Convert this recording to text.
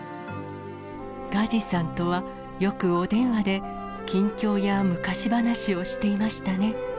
ガジさんとは、よくお電話で近況や昔話をしていましたね。